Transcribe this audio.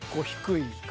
低い。